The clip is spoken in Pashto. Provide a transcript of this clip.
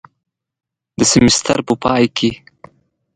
د سیمیستر په پای کې